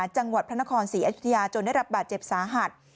จังหวัดพระนครศรีอยุธยาจนได้รับบาดเจ็บสาหัส